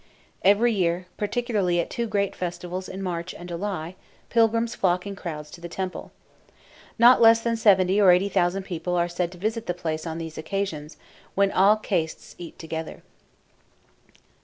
Every year, particularly at two great festivals in March and July, pilgrims flock in crowds to the temple. Not less than seventy or eighty thousand people are said to visit the place on these occasions, when all castes eat together.